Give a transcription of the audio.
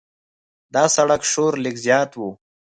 د سړک شور لږ زیات و.